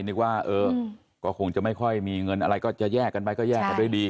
นึกว่าเออก็คงจะไม่ค่อยมีเงินอะไรก็จะแยกกันไปก็แยกกันด้วยดี